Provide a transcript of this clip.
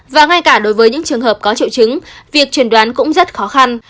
và ngay cả đối với những trường hợp có triệu chứng việc chuẩn đoán cũng rất khó khăn